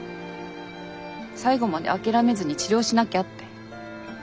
最後まで諦めずに治療しなきゃ」って。